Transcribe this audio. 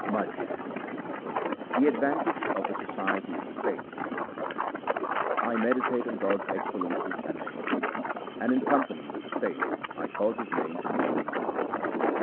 Majh The advantage of the society of the saints :— I meditate on God's excellences and name, And in company with the saints I cause His name to dwell in my heart.